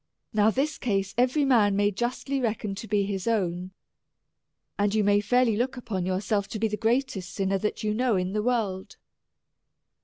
— Now this case every man may justly reckon to be his own. And you may fairly look upon your self to be the greatest sinner that you know in the world.